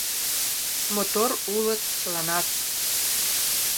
Мотор улыт чыланат